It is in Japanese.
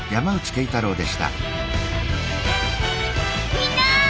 みんな！